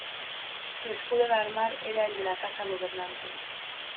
Su escudo de armar era el de la Casa gobernante.